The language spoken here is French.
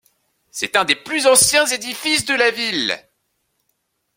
C'est un des plus anciens édifices de la ville.